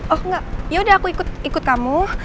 oh enggak yaudah aku ikut kamu